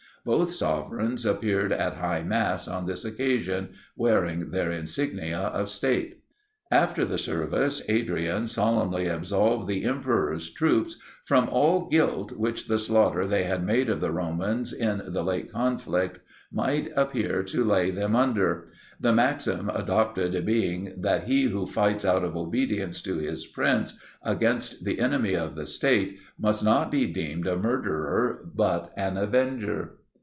Both sovereigns appeared at high mass on this occasion wearing their insignia of state. After the service, Adrian solemnly absolved the emperor's troops from all guilt which the slaughter they had made of the Romans in the late conflict might appear to lay them under; the maxim adopted being that "he who fights out of obedience to his prince against the enemy of the state, must not be deemed a murderer but an avenger."